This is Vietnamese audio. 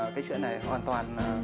cái chuyện này hoàn toàn